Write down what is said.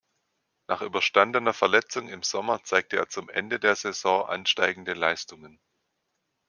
Nach überstandener Verletzung im Sommer zeigte er zum Ende der Saison ansteigende Leistungen.